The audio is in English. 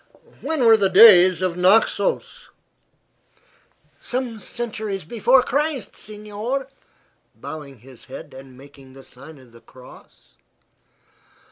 "When were the days of Naxos?" "Some centuries before Christ, signor," bowing his head and making the sign of the cross.